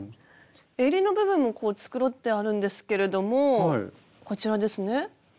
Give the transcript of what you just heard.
えりの部分もこう繕ってあるんですけれどもこちらですね。